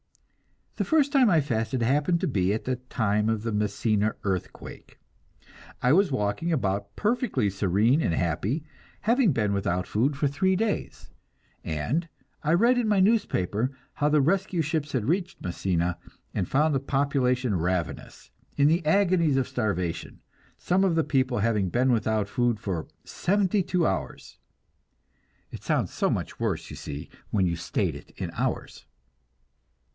The first time I fasted happened to be at the time of the Messina earthquake. I was walking about, perfectly serene and happy, having been without food for three days, and I read in my newspaper how the rescue ships had reached Messina, and found the population ravenous, in the agonies of starvation, some of the people having been without food for seventy two hours! (It sounds so much worse, you see, when you state it in hours.)